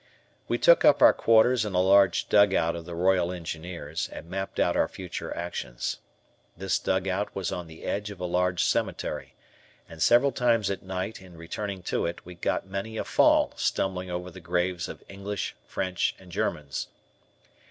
We took up our quarters in a large dugout of the Royal Engineers, and mapped out our future actions. This dugout was on the edge of a large cemetery, and several times at night in returning to it, we got many a fall stumbling over the graves of English, French, and Germans.